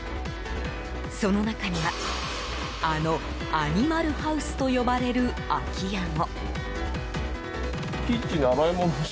その中にはあの、アニマルハウスと呼ばれる空き家も。